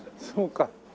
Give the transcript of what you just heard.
そうか。